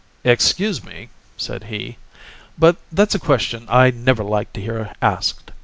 "Excuse me," said he, "but that's a question I never like to hear asked.